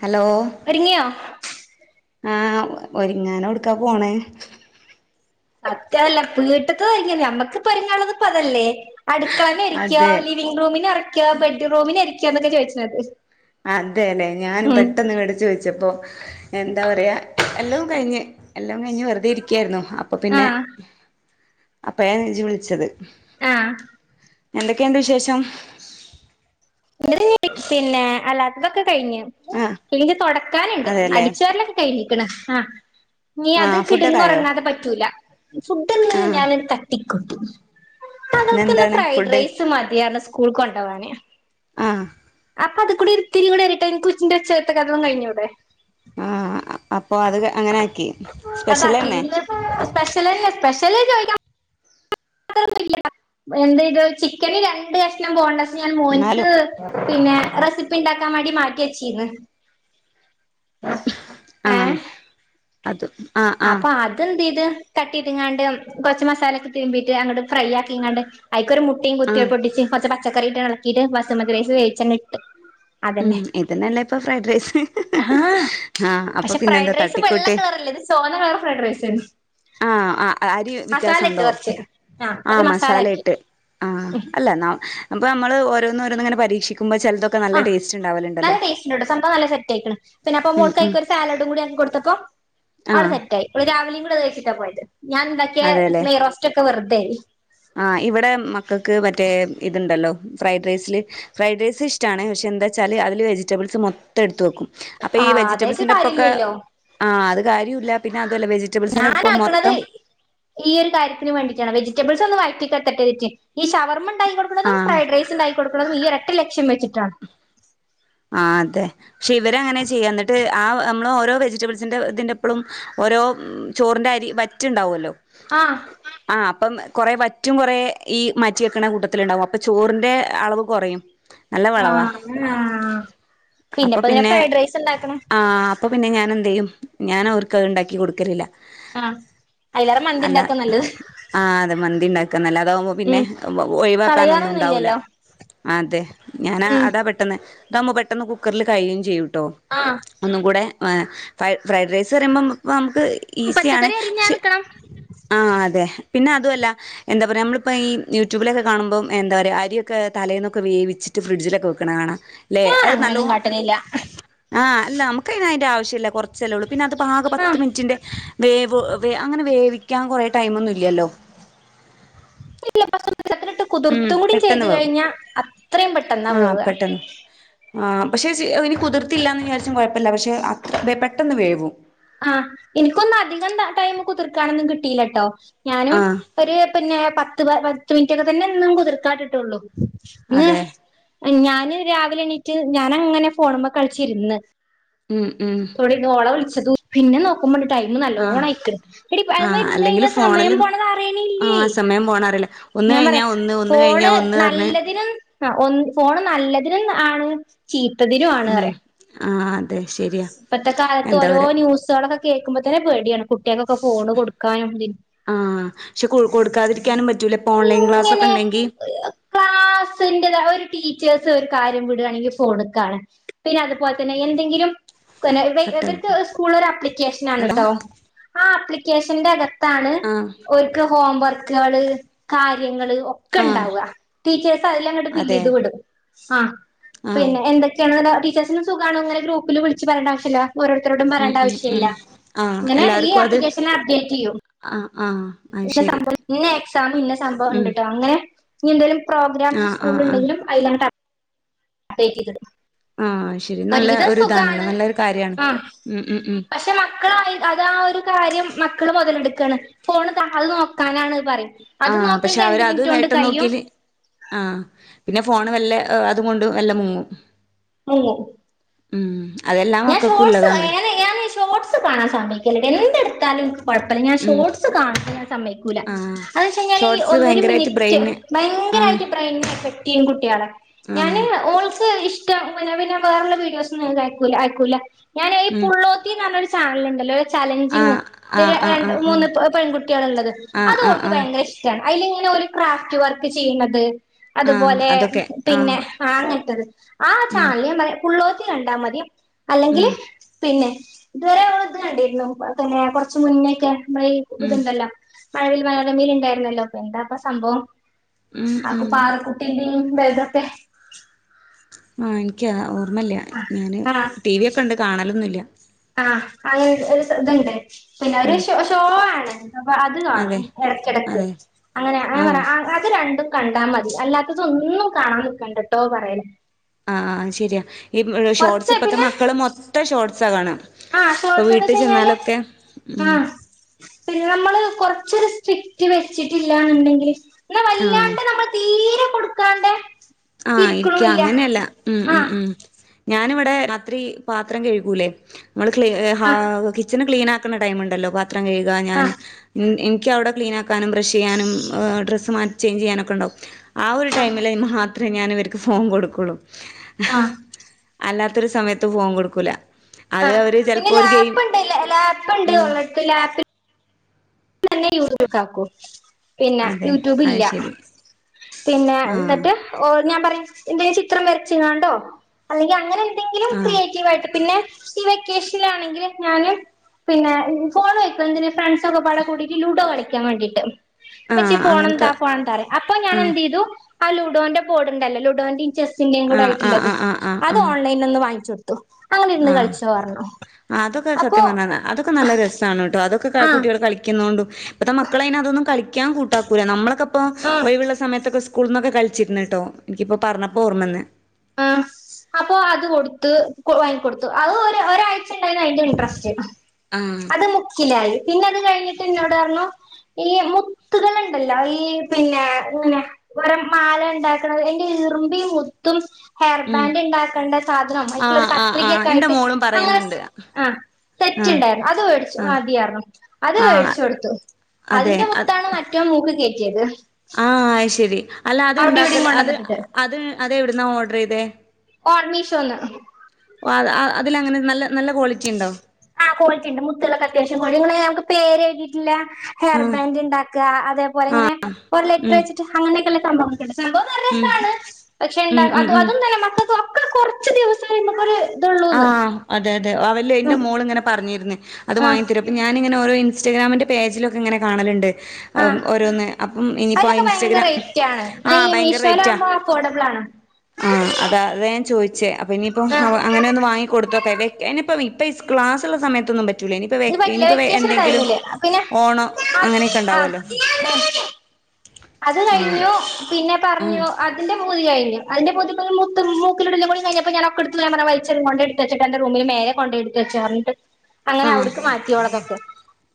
Hello ഒരുങ്ങിയോ? ആ ഒരുങ്ങാനോട്ക്കാ പോണെ മറ്റേ അല്ല വീട്ടിത്തൊരുങ്ങിയേ നമ്മക്കിപ്പം ഒരുങ്ങാനുള്ളത് അതല്ലേ അടുക്കള നിരിക്കാ, അതെ ലിവിംഗ് റൂമ് നെറക്കാ ബെഡ്റൂമിന് ഇരി ച്ചെന്തൊക്കെ ചോയ്ച്ച്നേട്ടു അതേലെ ഞാനും പെട്ടെന്ന് ഇവടെ ചോയ്ച്ചപ്പോ എന്താ പറയാ എല്ലും കഴിഞ്ഞു. എല്ലും കഴിഞ്ഞു വെറുതെ ഇരിക്കായിരുന്നു. അപ്പൊ പിന്നെ ആഹ് അപ്പഴാണ് ഇജ്ജ് വിളിച്ചത് ആഹ് എന്തൊക്കെയുണ്ട് വിശേഷം? [unintelligible] പിന്നെ അല്ലാത്തതൊക്കെ കഴിഞ്ഞു. ആഹ് പിന്നിനി തൊടക്കാനെണ്ട്. അതെല്ലേ അടിച്ച് വാരലൊക്കെ കഴിഞ്ഞു. പിന്നെ ആഹ് ഇനി അത് ആഹ് ഫുഡൊക്കെ ആയോ കിടന്നോറങ്ങാതെ പറ്റൂല. ഫുഡ്‌ ഒന്ന് ആഹ് ഞാനൊരു കത്തി [unintelligible] ഇപ്പവൾക്കിന്ന് ഇന്നെന്താണ് ഫുഡ് ഫ്രൈഡ്റൈസ് മതിയാർണം സ് കൂൾകൊണ്ടാവാന്. ആഹ് അപ്പൊ അതിക്കൂടി ഒരു ഇത്തിരികൂടി അരീട്ടാ ഇൻക്ക് ഉച്ച ഉച്ചക്കത്തതും കഴിഞ്ഞൂടെ ആഹ് അപ്പൊ അത് അങ്ങനെ ആ അതാക്കി. ഇന്ന് സ്പെഷ്യൽ തന്നെ സ്പെഷ്യൽന്ന് ചോയ്ക്കാ ഒന്നുല്ല ചിക്കൻ രണ്ടു കഷ്ണം ബോൺലസ് അത് ഞാൻ മോന്ക് എന്നാലും റെസിപ്പി പിന്നെ ണ്ടാക്കാൻ വേണ്ടി മാറ്റി ചേച്ചിന്ന് ആഹ് അതും അപ്പം അതെന്തിത് തട്ടി തിന്നാണ്ട് കുറച്ചു മസാല ഒക്കെ തിരുമ്പി അങ്ങട് ഫ്രൈ ആക്കിയിങ്ങട് ഐക്യ മുട്ടിയും ആഹ് കുത്തിപ്പൊട്ടിച്ച് കുറച്ചു പച്ചക്കറിയിളക്ക ഇത് ബസുമതി റൈസ് വേവിച്ച് അങ്ങിട്ട് മ് ഇതുതന്നെയല്ലേ അപ്പം ഫ്രൈഡ് റൈസ് ആഹ് ആഹ് അപ്പൊ പിന്നെന്താ വെള്ള തട്ടിക്കൂട്ടി കളറല്ല ഇത് ചോന്ന വേറെ ഫ്രൈഡ് റൈസ് ആ അരി മസാല വ്യത്യാസം ഇട്ട് ഉണ്ടോ കൊറച്ച് ആഹ് ആ കൊറച്ച് മസാല ആക്കി മസാലയിട്ട് ആ ഉം അല്ല നമ്- അപ്പം അമ്മള് ഓരോന്നോരോന്ന് ഇങ്ങനെ പരീക്ഷിക്കും- ആ നല്ല ടേസ്റ്റ് ഉണ്ട് ട്ടോ സംഭവം നല്ല സെറ്റായിക്കണ് അപ്പം ഉം മോൾക്ക് ഉം ഒരു സാലഡുകൾ ഉണ്ടാക്കി കൊടുത്തപ്പോൾ ആള് ആഹ് സെറ്റായി അവള് രാവിലെയും കൂടെ അത് കഴിച്ചു ഴിച്ചിട്ടാപോയത് ഞാനുണ്ടാക്കിയ നെയ്യ്റോസ്റ്റ് ഒക്കെ വെറ് തേയി ആ ഇവിടെ മക്കൾക്ക് മറ്റേ ഇതു ഉണ്ടല്ലോ ഫ്രൈഡ് റൈസിലെ ഫ്രൈഡ് റൈസ് ഇഷ്ടമാണ് പക്ഷേ എന്താച്ചാല് അതിലെ വെജിറ്റബിൾസ് മൊത്തം എടുത്തുവെക്കും അപ്പം ഈ ആഹ് അതായിട്ട് വെജിറ്റബിൾസിന്റെ ഒപ്പൊക്കെ ആത്- കാര്യമില്ല പി- ഞാനാക്കണത് ഈയൊരു കാര്യത്തിനു വേണ്ടിയാണ് വെജിറ്റബിൾസ് ഒന്ന് വയറ്റി- എത്തട്ടെ എന്ന് കരുതി ഈ ഷവർമ- ഉണ്ടാക്കി കൊടുക്കുന്നതും ആഹ് ഫ്രൈഡ് റൈസ് ഉണ്ടാക്കി കൊടുക്കുന്നത് ഈ ഒരൊറ്റ ലക്ഷ്യം വെച്ച്- താ [unintelligible] ആതേ ക്ഷേ ഇവരങ്ങനാ ചെയ്യാം എന്നട്ട്- ആ നമ്മൾ ഓരോ വെജിറ്റബിൾസിൻ്റെഅതിൻ്റപ്പളും ഓരോ ചോറിന്റെ അരിവറ്റ് ഉണ്ടാവുവല്ലോ? ആഹ്- ആ അപ്പം കൊറേ വറ്റും കൊറേ ഈ മാറ്റിവെക്കണ കൂട്ടത്തിലുണ്ടാവും അപ്പം ചോറിന്റെ അളവ് കൊറയും- ആഹ് അങ്ങനാ- അപ്പം പിന്നെ റൈസ് ഉണ്ടാക്കണെ ആ അപ്പൊ പിന്നെ ഞാൻ എന്തേലും- ഞാനവർക്ക് അത് ഇണ്ടാക്കിക്കൊടുക്കലില്ല- ആ അതിലേറെ മന്തി ഇണ്ടാക്കുവാ നല്ലത്- നല്ല ആവുമ്പം ഉം പിന്നെഒഴിവാക്കാൻ ഒന്നും ഉണ്ടാവൂല കളയാനൊന്നുല്ലല്ലോ അതേ ഞാനാ ഉം അതാപെട്ടെന്ന്- ഇതാവ്ബം പെട്ടെന്ന് കുക്കറിൽ കഴിയും ചെയ്യും- ഓ ആഹ് ഒന്നും കൂടെ- ഏ ഫ്ര ഫ്രൈഡ് റൈസ് പറിമ്പം പ്പം ഈസിയാണ് പച്ചക്കറി അരിഞ്ഞാ പക്ഷേ നിക്കണം ആ അതെ പിന്നെ അ അതുവല്ല എന്താ പറയാ. നമ്മളിപ്പ ഈ യൂട്യൂബിലൊക്കെ കാണുമ്പം എന്താ പറയാ. അരിയൊക്കെ തലേന്നൊക്കെ വേവിച്ചിട്ട് ഫ്രിഡ്ജിലൊക്കെ വെക്ക്ണ കാണാ ല്ലെ ഞാൻ അത് അങ്ങനെയൊന്നും നല്ലോം കാട്ടലില്ല ആ അല്ല അമുക്ക് അയിന് അയിന്റെ ആവ് ശ്യല്ല കൊറച് ച്ചല്ലള്ളൂ പിന്നെ അത് പാക പത്ത് ആഹ് മിനിറ്റിന്റെ വേവ് വേ അങ്ങനെ വേവിക്കാൻ കൊറെ ടൈമ് ഒന്നുല്യാല്ലോ [unintelligible] വെള്ളത്തിലിട്ട് കുതിർത്തും കൂടി പെട്ടെന്ന് ചെയ്തു വേവും കഴിഞ്ഞാ അത്രയും പെട്ടെന്നാ വേവാ പക്ഷേ ജ്ജ് അത് ഇനി കുതിർത്തില്ലാന്ന് വിചാരിച്ചും കൊഴ പ്പല്ല പക്ഷെ അത്ര [unintelligible] പെട്ടെന്ന് വേവും ആ എനിക്കൊന്ന് അധികം ടൈമ് കുതിർക്കാനൊന്നും കിട്ടീലട്ടോ ഞാനും ആഹ് ഒരു പിന്നെ പ ത്ത് പത്ത് മിനിറ്റൊക്കെ തന്നെ ന്നും കുതിർക്കാട്ടിട്ടൊള്ളൂ ന്ന് അതെ ഞാന് രാവിലെ എണീ റ്റ് ഞാനങ്ങനെ ഫോണ് മ്മെ കളിച്ചിര്ന്ന് ഉം ഉം തൊടീന്നോളെ വിളിച്ചതു പിന്നെ നോക്കുമ്പണ്ട് ടൈമ് ആഹ് നല്ലോണയ്ക്ക്ണ്. എടി അയിമ്മെ ആഹ് ഇരുന്ന് അല്ലെങ്കില് കഴിഞ്ഞാ സമയം ഫോണില് പോണതറീണില്ല്യേയ്. ആഹ് സമയം പോണറിയില്ല ഒന്ന് ഞാൻ കഴിഞ്ഞാ പറയാ ഒന്ന് ഒന്ന് കഴിഞ്ഞാ ഫോണ് ഒന്ന് പറഞ്ഞ് നല്ലതിനും ആ ഒ ഫോണ് നല്ല തിനും ആണ് ചീ ത്തതിനു ആണ് പറയാ ആ ഇപ്പത്തെ കാലത്ത് ഓരോ ന്യൂസ്കളൊക്കെ കേ ക്കുമ്പോ തെന്നെ പേട്യാണ്. കുട്ട്യാക്കൊക്കെ ഫോൺ കൊടുക്കാനും തിനും ആ ക്ഷെ കൊഴു കൊടുക്കാതിരിക്കാനും പറ്റ് റ്റൂല പ്പോ ഓൺലൈൻ ക്ലാസ് ഒക്കെ ഇങ്ങനെ ണ്ടെങ്കി ക്ലാസ്സിന്റെതാ ഒരു ടീച്ചേഴ്സ് ഒരു കാര്യം വിടുവാണെങ്കി ഫോണ്ക്കാണ്. പിന്നെ അതുപോൽതന്നെ എന്തെങ്കിലും ഇക്കൊല്ല ഇവിടെ കട്ടായി ഇബിർക്ക് സ്കൂളിലൊര് അപ്ലിക്കേഷനാണ് ഹലോ ട്ടോ ആ അപ്ലി ക്കേഷൻ്റെ എട ത്താണ് ആഹ് ഓര്ക്ക് ഹോംവർക്ക് ക്കാള് കാര്യങ്ങള് ആഹ് ഒക്കെണ്ടാവാ ടീച്ചേഴ്സ് അതിലങ്ങട്ട് അതെ ഫില്ലെയ്ത് വിടും. ആ- ആഹ് പിന്നെ എന്തൊക്കെയാ [unintelligible] കേസ്സനു സുഖാണോന്ന് ഇനലെ ഗ്രൂപ്പില് വിളിച്ചു പറയേണ്ട ആവശ്യല്ലാ- ഓരോരുത്തരോടും ഉം ഉം പറയണ്ടാവശ്യം ഇല്ല ഉം ആഹ് ഇങ്ങനെ ഈ എല്ലാർക്കും അത് അപ്ലിക്കേഷൻ അപ്ഡേറ്റ് ചെയ്യൂ- ആഹ് ആഹ് അത് ശരി [unintelligible] ഇന്നഎക്സാമിന് ഇന്ന സംഭവം ഉം ഉണ്ട്ട്ടോ അങ്ങനെ- ഇനി എന്തേലും- പ്രോഗ്രാംസു ആഹ് ആഹ് ആഹ് സ്കൂളിലുണ്ടെങ്കിലും ആയിലണ്ട [unintelligible] ആഹ് ശരി നല്ല ഒരുവിധം ഒരു ഇതാണല്ലോ സുഖാണ് നല്ലൊരു കാര്യാണ് ആ ഉം ഉം ഉം പക്ഷെ മക്കളായി അതാ ഒരു കാര്യം മക്കള് മൊതലെടുക്കാണ് ഫോണ് താ അത് നോക്കാനാണ് ന്ന് പറ ആ പക്ഷെ അവരത് വേട്ടം നോക്കേല് ആ [unintelligible] പോണ് വല്ലേ അ അതുകൊണ്ട് വല്ലേ മുങ്ങും [unintelligible] ഉം അതെല്ലാ ഞാൻ മക്കൾക്കും ഫോട്സ് ഉള്ളതാണ് [unintelligible] ഷോട്സ് കാണാൻ സമ്മയ്ക്കല്ല്ലട്ടോ എന്ത് [unintelligible] കൊഴപ്പല്ല ഞാൻ ഉം ഷോട്സ് കാണാൻ സമ്മയ്ക്കൂല ആഹ് അത് യ്ചയ്ഞാല് ഷോർട്സ് ഒരു ഭയങ്കരായിട്ട് മിനിറ്റ് ബ്രെയിന് ആഹ് ഭയങ്കരയിട്ട് പ്രേയ്ന്റ് [unintelligible] ഞാന് ആഹ് ഓൾക്ക്‌ [unintelligible] വേറേല്ലേ വീഡിയോസൊന്നും [unintelligible] ലാ അയ്കൂലാ ഞ ഉം [unintelligible] ചാനൽ [unintelligible] ചലഞ്ചിങ്‌ ആഹ് ഏയ്‌ ആഹ് രണ്ടു ആഹ് ആഹ് മൂന്നു പെ പെൺകുട്ടികള് ള്ളത് അത് ആഹ് ആഹ് ഓൾക്ക്‌ ആഹ് ആഹ് വേണ്ടാ ആയില്ങ്ങനെ ഒരു ക്രാഫ്റ്റ് വർക്ക്‌ ചെയ്യ്ണത് ആഹ് അതുപോലെ അതൊക്കെ ആഹ് പിന്നെ ആ അങ്ങൻ തന്നെ [unintelligible] ആ ഉം ചായ [unintelligible] [unintelligible] ണ്ടാ മതി അല്ലെങ്കില് ഉം പിന്നെ [unintelligible] ഇത് വരെ ഓള് ഇത് കണ്ടിര്ന്നു പിന്നെ കോർച്ച് മുന്നേക്കെ ഉം [unintelligible] മഴവിൽ മനോരമയിൽ ഇണ്ടായിരുന്നല്ലേ പ്പ എന്താപ്പാ സംഭവം ഉം [unintelligible] ഉം പാറു കുട്ടി എങ്ങനെ [unintelligible] ആ ഇൻക്ക്‌ ആബം ർമല്ല ഞാന് ടീവിക്കെ ഇണ്ട് കാണലൊന്നുല്ല ആ അയ് [unintelligible] ത്ണ്ട് പിന്നെ ഉം ശോ ശോ ആണ് അത് കാണും അതെ എടകെടക്ക്‌ അതെ അങ്ങനെ ആഹ് [unintelligible] അത് കണ്ട് കണ്ടാ മതി അല്ലാത്തതൊന്നും കാണാൻ നികണ്ടട്ടോ പറേലാ ആ ആഹ് ശരിയാ [unintelligible] ഷോട്സ് ഇപ്പത്തെ മക്കള് മൊത്തം ഷോട്സാ കാണ ആ ഷോഡ്സെന്ന് വെച്ച് കഴിഞ്ഞാല് ഉം ആ പിന്നെ നമ്മള് കോ ചില സ്ട്രിക്റ്റ് വെച്ചിട്ടില്ലാന്നുണ്ടെങ്കില് ഇവിടെ ആഹ് വല്ലാണ്ട് നമ്മൾ തീരെ കൊടുക്കാണ്ടേ ആഹ് ആയിരിക്കും അങ്ങനെ അല്ല ഉം ഉം ആഹ് ഉം ഞാൻ ഇവിടെ രാത്രി പാത്രം കഴുകൂലേ നമ്മള് ക്ലി ഹ ആഹ് കിച്ചണ് ക്ലീനാ ക്കുന്ന ടൈം ഉണ്ടല്ലോ പ ത്രം കഴുക ഞാന് ആഹ് എനി എനിക്ക് ക്കവിടെ ക്ലീൻ ആക്കാനും ബ്രഷ് ചെയ്യാനും ഡ്രെസ്സ് മാറ്റി ചേഞ്ച്‌ ചെയ്യാനൊക്കെണ്ടാവും ആ ഒരു ടൈമില് ഇമ ത്രേ ഞാൻ ഇവർക്ക് ഫോൺ കൊടുക്കുള്ളു ഹ്ഹ് ആഹ് അലർ ഒരു സമയത്ത് ഫോൺ കൊടുക്കൂല അത് ആഹ് അവര് പിന്നെ ചെലപ്പോ ഒരു ഗെയിം ലാപ്പ് ഉണ്ടല്ല ലാപ്പ് ഉണ്ട് ആഹ് ഓളടുത്ത് ലാപ്പ് [unintelligible] പിന്ന അതെ യൂട്യൂബ് അത് ഇല്ല ശരി പിന്ന ആഹ് എന്നിട്ട് ഒ ഞാൻ പറയും ന്തേലും ചിത്രം വരച്ചിങ്ങാണ്ടോ അല്ലെങ്കി അങ്ങനെ ന്തെങ്കിലും ആഹ് ക്രിയേറ്റീവ് ആയിട്ട് പിന്നെ ഈ വെക്കേഷനിൽ ആണെങ്കിൽ ഞാൻ പിന്നെ ഫോണ് വെക്കുന്ന ഫ്രൻഡ്‌സൊക്കെ ക്കാം വേണ്ടിട്ട് ഉമ്മച്ചി ഈ ആഹ് ഫോൺ ഒന്ന് അങ്ങനത്തെ താ ഫോന്താ എന്ന് ആഹ് പറയും അ ലുഡോന്റെ ബോർഡ്‌ ഉണ്ടല്ല ലുണ്ടോന്റെയും ചെസ്സ സ്സിന്റേം കൂടെ ആഹ് ആഹ് ആയിട്ടുള്ളത് ആഹ് ആഹ് ആഹ് അത് ആഹ് ഓൺലൈൻ നിന്ന് വാങ്ങിച്ചു കൊടുത്ത് [unintelligible] ആഹ് അതൊക്കെ അപ്പൊ സത്യം പറഞ്ഞ അതൊക്കെ നല്ല രസമാണ് കേട്ടോ അതൊക്കെ ആഹ് കുട്ടികൾ കളിക്കുന്നോണ്ടും ഇപ്പത്തെ മക്കൾ അതിന് അതൊന്നും കളിക്കാൻ കൂട്ടാക്കൂല നമ്മളൊക്കെ ഹ് ആഹ് ഒഴിവുള്ള സമയത്തൊക്കെ സ്കൂ സ്കൂളിൽ നിന്നൊക്കെ കളിച്ചിട്ടുണ്ട് കേട്ടോ എനിക്കിപ്പോൾ പറഞ്ഞപ്പോൾ ഓർമ്മവന്നു ആ അപ്പൊ അത് കൊടുത്ത് വങ്ങിക്കൊടുത്തു അത് ഒരു ഒരാഴ്ച ഉണ്ടായിരുന്നു അതിൽ ഇൻ്ററെസ്റ്റ് ആഹ് അത് മുത്തിലായി പിന്നെ കഴിഞ്ഞിട്ടെന്നോട് പറഞ്ഞു ഈ മുത്തുകളുണ്ടല്ലോ ഈ പിന്നെ ഇങ്ങനെ ഓരോ മാല ഉണ്ടാക്കണത് എന്റെ ഇറുമ്പിയ മുത്തും ഹെയർ ഉം ബാൻഡ് ഉണ്ടാക്കേണ്ട സാധനം ആഹ് അവയ്ക്കുള്ളിലൊരു ആഹ് ആഹ് കത്രികയൊക്കെ എന്റെ ആയിട്ട് മോളും അങ്ങനെ പറയുന്നുണ്ട്. ആ സെറ്റ് ആഹ് ഉണ്ടായിരുന്നു ആഹ് അതുവേടിച്ചാരുന്നു അത് ആഹ് മേടിച്ചു കൊടുത്തു അതെ അതിന്റെ അത് മുത്താണ് മറ്റവൻ മൂക്കിൽ കേറ്റി [unintelligible] ആഹ് ശരി അല്ല അവിടെ ഇവിടെയും അതുണ്ടാക്കല് അത് കൊണ്ടുവന്നിട്ടിട്ട് അത് അത് എവിടുന്നാ ഓർഡർ ചെയ് ദേ [unintelligible] മീഷോന്ന് അത് അതിലങ്ങനെ നല്ല നല്ല ക്വാളിറ്റി ഇണ്ടോ? ആഹ് ക്വാളിറ്റി ഉണ്ട് മുത്തുകളൊക്ക അത്യാവ്യം ക്വാളി നിങ്ങള് ഞങ്ങക്ക് പേരെഴുതിട്ടില്ല ഹെയർ ആഹ് ബാൻഡ് ഉണ്ടാക്കുക അതേപോലെ ആഹ് ഇങ്ങനെ ഒരു ലെറ്റർ ഉം വെച്ചിട്ട് അങ്ങനെയൊക്കെള് [unintelligible] സംഭവം നല്ല ഉം രസാണ് പക്ഷെ ഉം ഉം [unintelligible] അത് ഉം മക്കക്ക് കൊറച്ച് ദിവസം കഴിഞ്ഞപകോരു ആഹ് അതെ ദേ അല്ല എന്റെ ഉം മോള് ഇങ്ങനെ പറഞ്ഞി അത് ആ വാങ്ങി തരാൻ അപ്പോ ഞാനിങ്ങ ഇങ്ങനെ ഓരോ ഇൻസ്റ്റഗ്രാമിൻ്റെ പേജില് ഒക്കെ ഇങ്ങനെ കാണലുണ്ട് ആ ഓരോന്ന് അപ്പം ഇനിയിപ്പോ അതിനൊക്കെ ഭയങ്കര ഇൻസ്റ്റഗ്രാം റേറ്റ് ആണ് എന്നാ ആഹ് ഈ ഭയങ്കര റേറ്റാ മീഷോയിലാകുമ്പോ അഫോർഡബിൾ ആണ് ആഹ് അതാഅതാ ഞാൻ ചോദിച്ചേ അപ്പോ ഇനിയിപ്പോ ആ അവ വാങ്ങി കൊടുത്ത് നോക്കാം ഇനിയിപ്പോ ഇപ്പം ഈ ക്ലാസ്സുള്ള സമയത്തൊന്നും പറ്റ് ഇത് പറ്റില്ല വെക്കേഷൻ്റെ ടൈമിൽ പിന്നെ ഓണം അങ്ങനെയൊക്കെ ആഹ് ഉണ്ടാവുമല്ലോ അത് ആഹ് കഴിഞ്ഞു പിന്നെ ആഹ് പറഞ്ഞു അതിൻ്റെ മു തി കഴിഞ്ഞു അതിന്റെ കൂടെ മുത്ത് മൂക്കിലിടലു കൂടി കഴഞ്ഞപ്പോൾ ഞാനവക്കടുത്ത് പറഞ്ഞു വലിച്ചെടുത്ത് കളയും കൊണ്ടെടുത്ത് വെച്ചൊ എന്റെ റൂമിൽ നേരെ കൊണ്ടെടുത്ത് വച്ചോന്ന് പറഞ്ഞിട്ട് അങ്ങനെ ആഹ് അവടൂക് മാറ്റിയൊള്ളതൊക്കെ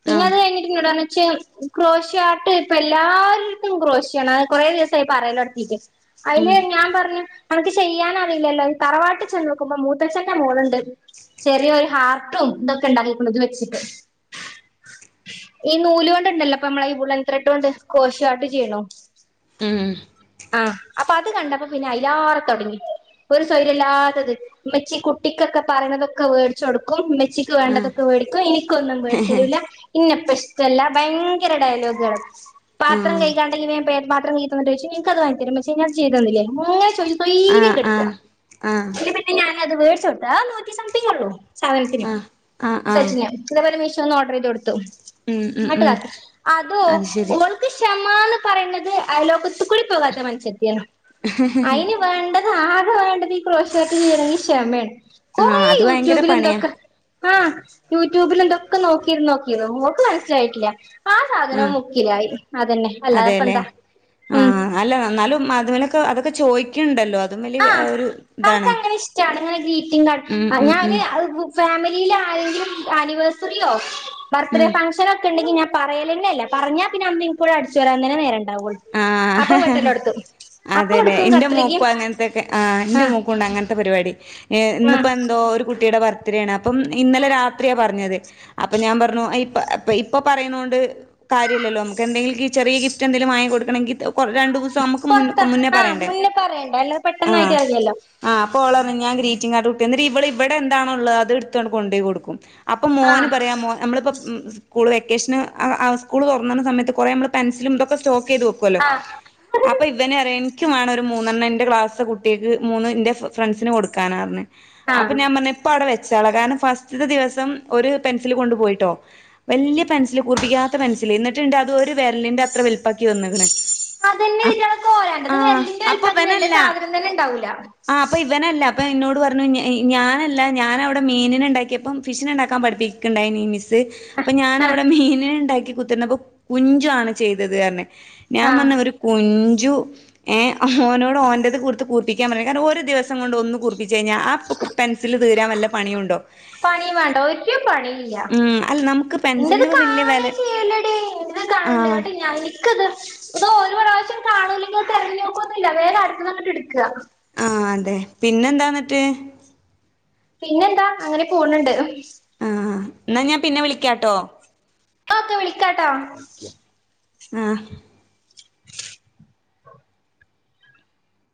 പിന്നെ ആഹ് അത് കഴിഞ്ഞിട്ട് എന്നോട് പറഞ്ഞു പക്ഷെ ക്രോഷെറ്റ് ഇപ്പം എല്ലാരും ഉം ക്റോഷെ ആണ് കുറേ ദിവസം ആയി പറയല് തുടങ്ങിട്ട് അയില് ഉം ഞാൻ പറഞ്ഞു അനക്ക് ചെയ്യാൻ അറിയില്ലല്ലോ യ്യ് തറവാട്ടിൽ ചെന്ന് നോക്കുമ്പം മുത്തച്ഛന്റെ മോള്ണ്ട് ചെറിയ ഒര് ഹാർട്ടും ഇതൊക്കെ ണ്ടാക്കിക്കൊണ്ടന്ന് വെച്ചിക്ക് ഈ നൂല്കൊണ്ട്ണ്ടല്ലോ ഇപ്പം നമ്മളെ വുളൻ ത്രെഡ്കൊണ്ട് ക്രോഷിയോ ആർട്ട്‌ ചെ [unintelligible] ഉം ആഹ് അപ്പം അത് കണ്ടപ്പം പിന്നെ അയിലറെ തൊടങ്ങി ഒര് സോയിര്യം ഇല്ലാത്തത് ഉമ്മച്ചി കുട്ടിക്കൊക്കെ പറയ്ണ തൊക്കെ വേടിച്ച് കൊടുക്കും ഉമ്മെ ച്ചിക്ക് ആഹ് വേണ്ടതൊക്കെ വേടിക്കും ഇനിക്ക് ഒന്നും വേടിച്ച് തരുലാ ഇന്നേ ഇപ്പ ഇഷ്ട്ടല്ല ഭയങ്കര ഡയലോഗ്കള് ആഹ് പാത്രം കൈ പ്പെ പാത്രം കയ്കി തന്നിട്ട് ചോയിച്ചു ഇനിക്ക് അത് വാങ്ങി തരുവോ ഉമ്മച്ചി ഞാൻ ഇത് ചെയ്ത്തന്നില്ലേ ഇങ്ങനെ ചോ സോയി സോര്യം കെടുത്തുഅ ആഹ് ആഹ് അല്ലെ പിന്നെ ഞാന് അത് വേടിച്ചു കൊടുത്താ നൂറ്റി സംതിങ്ങേ ഒള്ളൂ സാധനത്തിനും ആഹ് ആഹ് ആഹ് സെറ്റിനും ഇതേപോലെ മിഷ് റ്റൊന്ന് ഓഡർ ചെയ്ത് കൊടുത്തു ഉം ഉം ഇങ്ങട്ട് ഉം താട്ട് അതൊ അത് ശരി ഓൾക്ക് ഷെ മ്മാന്ന് പറയ്ണത് അയ്ലോക്ക ത്തു കൂടെ പോകാത്ത മനുഷത്തിയാണ് അയിന് വേണ്ട ത് ആകെ വേണ്ടത് ഇ ക്രോഷിയോ ആർട്ട്‌ ചെയ്യണങ്കി ഷെമയാണ്. ആ അത് ഭയങ്കര പണിയാ ങഹ യൂട്യൂബിലും ഇതൊക്കെ നോക്കി ഇരുന്നോ നോക്കിന്നോ ക്ക് മനസ്സിലായിട്ടില്ല. ആ സാധനോ മുക്കിലായി, അതന്നെ. അല്ലാതെപ്പ അതെലെ എന്താ ഉം ആ ല്ലാ ന്നാലും അതിൻമെലൊക്കെ അതൊക്കെ ചെ ചോയിക്ക്‌ണ്ടല്ലോ അ ആഹ ആൾക്കങ്ങനെ ഇഷ്ട്ടാണ് ഇങ്ങനെ ഗ്രീറ്റിങ്ങ് ഉം കാർഡ് ഉം ഉം ഞാന് അത് ബുക്ക് ഫാമിലില് ആരെങ്കിലും അനിവേഴ്സറിയോ? ബർത്ത് ഡേ ഉം ഫങ്ഷനോക്കെണ്ടങ്കി ഞാൻ പറയല്ന്നെ ഇല്ല പറഞ്ഞാ പിന്നെ അന്ന് ഇനിക്ക് ഇവിടെ അടിച്ചു വരാൻ തന്നെ നെരണ്ട ണ്ടാവൊള്ളൂ അപ്പം ആഹ് വെട്ടല് തൊടത്തും അപ്പം എടുക്കും കത്രികേം തെക്കേ ങഇന്റെ മോക്കുംണ്ട് അങ്ങനത്തെ പരിപാടി യെ ഇന്ന്പ്പോ ആഹ് എന്തോ ഒര് കുട്ടീടെ ബർത്ത് ഡേ ആണ് അ പ്പം ഇന്നലെ രാത്രിയാ പറഞ്ഞത് അപ്പം ഞാൻ പറഞ്ഞു ഇപ്പ പ്പ ഇപ്പൊ പറയ്ന്നകൊണ്ട് കാര്യലല്ലോ നമക്ക് എന്തെങ്കിലും ഗി ചെറിയ ഗിഫ്റ്റ് എൻതേലും വാങ്ങി കൊട് കണങ്കി [unintelligible] കൊ രണ്ടുമൂന്നുസം അമ്മക്ക് മുൻ പൊറത്താ ക്കും മുന്നേ ആ പറയണ്ടേ മുന്നേ പറയണ്ട അല്ലാതെ പെട്ടെന്നായിട്ട് ആഹ് അറിയല്ലോ ആ അപ്പൊ ഓള് പർഞ്ഞ് ഞാൻ ഗ്രീ ചിങ്ങാ [unintelligible] എന്നിറ്റ് ഇവള് ഇവിടെ എന്താണുള്ളത് അത് ഇട്ത്താണ്ട് കൊണ്ടേയ്കൊടുക്കും അപ്പൊ ആ മോന് പറയാ മോ നമ്മളിപ്പോ ഉം സ്കൂള് വെക്കേഷന് ആ ആ സ്കൂള് തുറന്ന സയത്ത് കൊറേ നമ്മള് പെൻസിലും ഇതൊക്കെ സ്റ്റോക്ക് ചെയ്തു വെ കല്ലോ ആ അപ്പൊ ഇവനറയാ ഇൻക്ക് വാണം ഒരു ഒരു മൂന്നെണ്ണം എന്റെ ക്ലാസ്ലെ കുട്ട്യാക്ക് മൂന്ന് എന്റെ ഫ്രണ്ട്സിന് കൊടുക്കാനാർഞ്ഞ് ആ അപ്പം ഞാൻ പർഞ്ഞ് ഇപ്പാവ്ടെ വെ ച്ചാളാ കാരണം ഫസ്റ്റ്തെ ദിവസം ഒരു പെൻസില് കൊണ്ടു പോയിട്ടോ വല്ല്യ പെൻസില് കൂർപ്പിക്കാത്ത പെൻസില് ഇന്നിട്ട്ണ്ട് അത് ഒരു വെര്ലിന്റെ അത്ര വലുപ്പാക്കി വന്നക്ക്ണ് അതന്നെ ഇറ്റ്യാളെ [unintelligible] വെര്ലിന്റെ അപ്പൊ വെൽപ്പാക്കിക്ക്ണത് വേണ്ട ഇവനല്ല സാധനം തന്നെ ഉണ്ടാവൂല അപ്പം എന്നോട് പറഞ്ഞു ഞാനല്ല ഞാനവിടെ മീനിനെണ്ടാക്കിയപ്പം ഫിഷിനെണ്ടാക്കാൻ പഠിപ്പിക്ക്ണ്ടായിനി മിസ് [unintelligible] അപ്പൊ ഞാന ആ വിടെ മീനെ ഉണ്ടാക്കി കുതിർന്നപ്പോ കുഞ്ചുവാണ് ചെയ്തത് തന്നെ. ഞാൻ ആ വന്ന ഒര് കുഞ് ജു ങേ ഓനോട് ഓൻറ്റത് കുടുത്ത് കുർ പ്പിക്കാൻ പറ കാരണം ഒരു ദിവസം കൊണ്ട് ഒന്ന് കുറിപ്പി [unintelligible] ആ പണിയുണ്ടോ പണിമാണ്ട ഒരു പണിയില്ല ഉം അല്ല നമുക്ക് ന്റെത് പെൻസിലിന് ഇപ്പ വല്യ കാണേ വെല ചെയ്യലെടി ന്തിനാ കാണല ആഹ് ന്നട്ട് നിക്കത് ഇത് ഒരു പ്രാവശ്യം കാണൂില്ലെങ്കിൽ തെരഞ്ഞു നോക്കുന്നുല്ല വേറെ അടുത്ത് വന്നിട്ട് എട്ക്ക. ആഹ അതെ പിന്നെന്താന്നട്ട്. പിന്നെന്താ അങ്ങനെ പോണണ്ട്. ആഹ് എന്നാ ഞാൻ പിന്നെ വിളിക്കാട്ടോ ഓകെ വിളി ക്കാട്ടോ ആഹ [unintelligible]